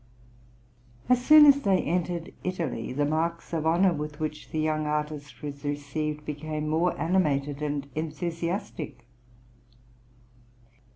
As soon as they entered Italy the marks of honour with which the young artist was received became more animated and enthusiastic.